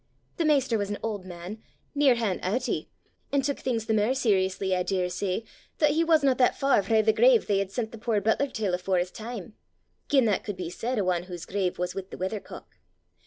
The maister was an auld man, nearhan' auchty, an' tuik things the mair seriously, I daursay, that he wasna that far frae the grave they had sent the puir butler til afore his time gien that could be said o' ane whause grave was wi' the weather cock!